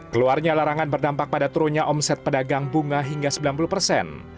keluarnya larangan berdampak pada turunnya omset pedagang bunga hingga sembilan puluh persen